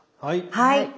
はい。